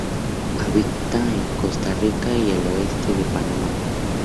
Habita en Costa Rica y el oeste de Panamá.